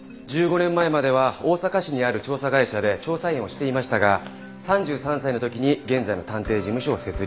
１５年前までは大阪市にある調査会社で調査員をしていましたが３３歳の時に現在の探偵事務所を設立。